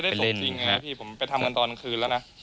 คลิปมันจะได้สมจริงไงพี่ผมไปทำกันตอนกลางคืนแล้วนะ